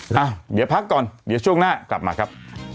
เอ้าเดี๋ยวพักก่อนเดี๋ยวช่วงหน้ากลับมาครับ